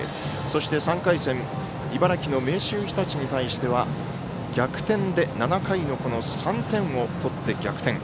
そして、３回戦茨城、明秀日立に対しては逆転で７回に３点を取って逆転。